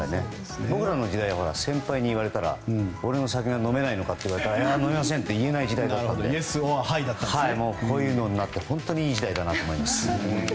僕らの時代は先輩に言われたら俺の酒が飲めないのかって言われたら飲めませんって言えない時代だったのでこういうのになって本当にいい時代だなと思います。